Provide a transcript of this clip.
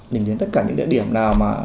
mình đến tất cả những địa điểm nào mà